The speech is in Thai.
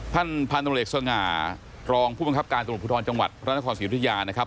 ท่านพันธุ์ธนาฬิกส่วนง่ารองผู้บังคับการตรวจผู้ท้อนจังหวัดพระนครศิริยุธิยานะครับ